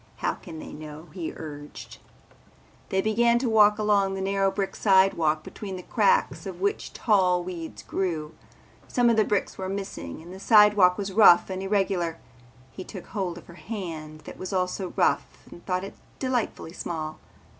How can they know?" he urged. They began to walk along a narrow brick sidewalk between the cracks of which tall weeds grew. Some of the bricks were missing and the sidewalk was rough and irregular. He took hold of her hand that was also rough and thought it delightfully small.